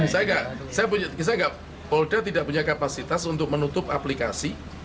saya tidak saya saya tidak polda tidak punya kapasitas untuk menutup aplikasi